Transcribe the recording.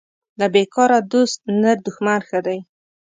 له بیکاره دوست نر دښمن ښه دی